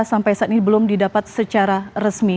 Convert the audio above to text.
sampai saat ini belum didapat secara resmi